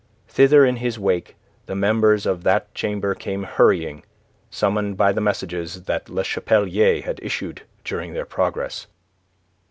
Thither in his wake the members of that chamber came hurrying, summoned by the messages that Le Chapelier had issued during their progress.